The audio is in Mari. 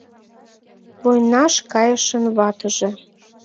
Войнаш кайышын ватыже